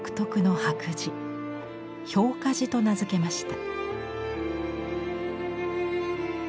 「氷華磁」と名付けました。